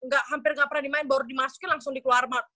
gak hampir gak pernah dimainkan baru dimasukin langsung dikeluarkan